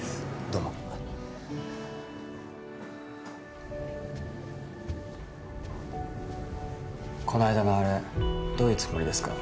どうもこの間のあれどういうつもりですか？